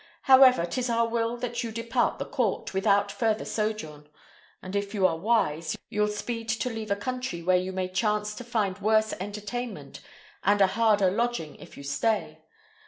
However, 'tis our will that you depart the court, without further sojourn; and if you are wise, you'll speed to leave a country where you may chance to find worse entertainment and a harder lodging if you stay.